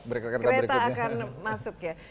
kereta akan masuk ya